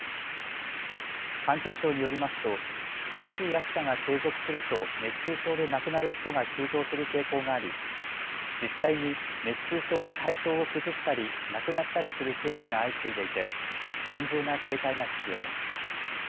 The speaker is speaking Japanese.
環境省によりますと厳しい暑さが継続すると熱中症で亡くなる人が急増する傾向があり実際に熱中症で体調を崩したり亡くなったりするケースが相次いでいて厳重な警戒が必要です。